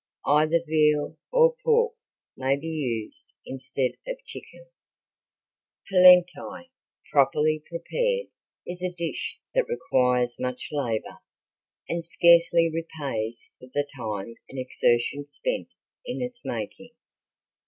Either veal or pork may be used instead of chicken. Polenti, properly prepared, is a dish that requires much labor, and scarcely repays for the time and exertion spent in its making.